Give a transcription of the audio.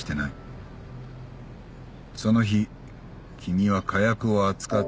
その日君は火薬を扱っていない。